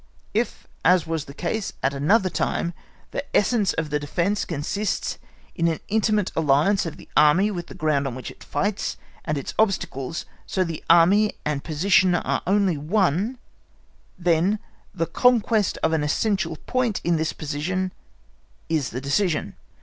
If as was the case at another time the essence of the defence consists in an intimate alliance of the Army with the ground on which it fights and its obstacles, so that Army and position are only one, then the conquest of an essential point in this position is the decision.